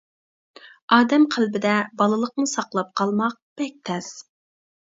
ئادەم قەلبىدە بالىلىقنى ساقلاپ قالماق بەك تەس.